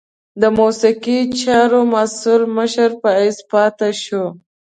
د موسیقي چارو مسؤل مشر په حیث پاته شو.